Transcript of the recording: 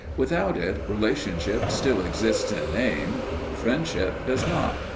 Without it relationship still exists in name, friendship does not.